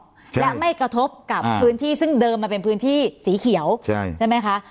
ใช่และไม่กระทบกับพื้นที่ซึ่งเดิมมันเป็นพื้นที่สีเขียวใช่ใช่ไหมคะ